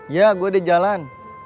ya gue di jalan